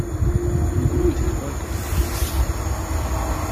Le goulot est étroit et peut être bouché.